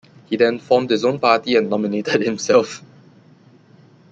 He then formed his own party and nominated himself.